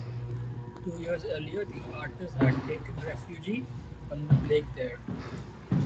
Two years earlier the artist had taken refuge from the plague there.